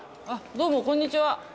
あっどうもこんにちは。